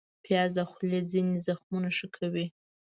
پیاز د خولې ځینې زخمونه ښه کوي